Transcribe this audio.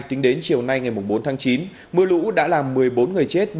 tính đến chiều nay ngày bốn tháng chín mưa lũ đã làm một mươi bốn người chết